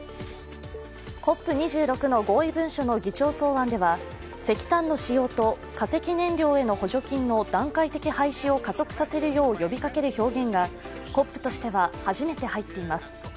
ＣＯＰ２６の合意文書の議長草案では石炭の使用と、化石燃料への補助金の段階的廃止を加速させるよう呼びかける表現がＣＯＰとしては初めて入っています。